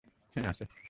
হ্যা, আছে!